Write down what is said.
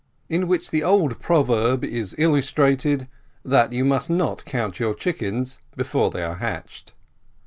IN WHICH THE OLD PROVERB IS ILLUSTRATED, "THAT YOU MUST NOT COUNT YOUR CHICKENS BEFORE THEY ARE HATCHED."